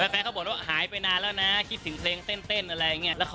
แฟนเขาบอกว่าหายไปนานแล้วนะคิดถึงเพลงเต้นอะไรอย่างนี้